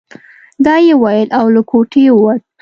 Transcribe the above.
دا يې وويل او له کوټې ووت.